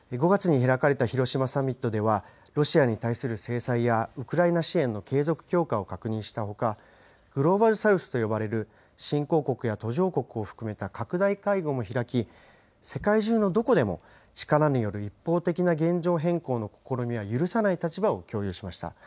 ５月に開かれた広島サミットでは、ロシアに対する制裁やウクライナ支援の継続強化を確認したほか、グローバル・サウスと呼ばれる新興国や途上国を含めた拡大会合も開き、世界中のどこでも、力による一方的な現状変更の試みは許さない立場を共有しました。